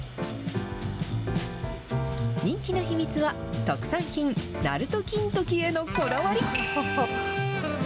人気の秘密は、特産品、なると金時へのこだわり。